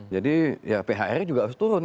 jadi ya phri juga harus turun